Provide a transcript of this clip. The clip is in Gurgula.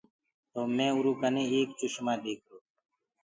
تو اُرو ڪني مڪوُ ايڪ چشمو ديکرو۔